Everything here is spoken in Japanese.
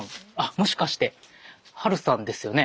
もしかしてハルさんですよね？